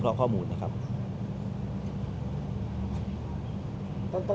หมอบรรยาหมอบรรยาหมอบรรยาหมอบรรยา